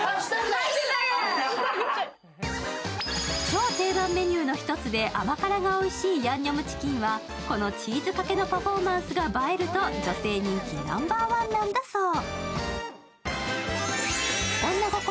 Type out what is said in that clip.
超定番メニューの一つで甘辛がおいしいヤンニョムチキンはこのチーズかけのパフォーマンスが映えると女性人気ナンバーワンなんだそう。